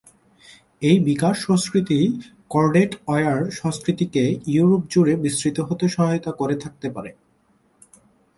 এই বিকার সংস্কৃতি corded wire সংস্কৃতিকে ইউরোপ জুড়ে বিস্তৃত হতে সহায়তা করে থাকতে পারে।